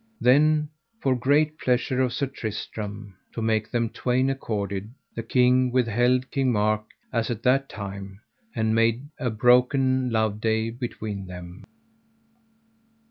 Then for great pleasure of Sir Tristram, to make them twain accorded, the king withheld King Mark as at that time, and made a broken love day between them.